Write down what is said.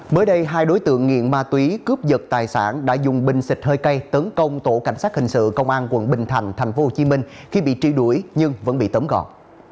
mới đây hai đối tượng nghiện ma túy cướp giật tài sản đã dùng binh xịt hơi cây tấn công tổ cảnh sát hình sự công an quận bình thành tp hcm khi bị tri đuổi nhưng vẫn bị tấm gọn